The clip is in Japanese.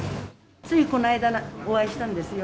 ついこの間、お会いしたんですよ。